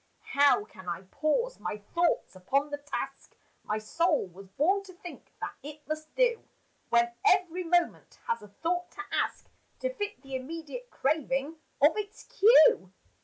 How can I pause my thoughts upon the task My soul was born to think that it must do When every moment has a thought to ask To fit the immediate craving of its cue?